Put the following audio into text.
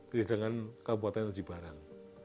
jadi dengan kabupaten aji barang